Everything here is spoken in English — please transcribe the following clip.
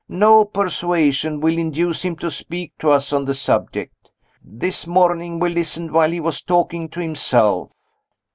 No persuasion will induce him to speak to us on the subject. This morning we listened while he was talking to himself."